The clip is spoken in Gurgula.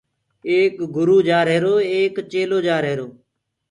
ايڪ گرُو جآرهيرو ايڪ چيلهو جآرهيرو۔